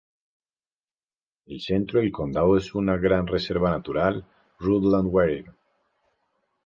El centro del condado es una gran reserva natural, "Rutland Water".